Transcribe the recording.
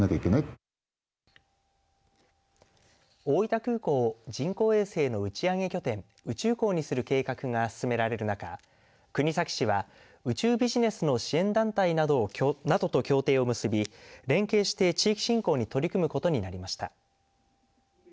大分空港を人工衛星の打ち上げ拠点宇宙港にする計画が進められる中国東市は、宇宙ビジネスの支援団体などと協定を結び、連携して地域振興に取り組むことになりました。